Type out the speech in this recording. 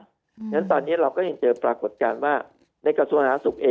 เพราะฉะนั้นตอนนี้เราก็ยังเจอปรากฏการณ์ว่าในกระทรวงสาธารสุขเอง